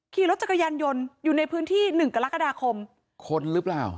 ขี่รถจักรยานยนต์อยู่ในพื้นที่หนึ่งกรกฎาคมคนหรือเปล่า